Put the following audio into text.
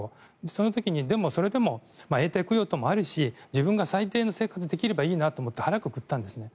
その時に、でもそれでも永代供養等もあるし自分が最低の生活ができればいいなと思って腹をくくったんですね。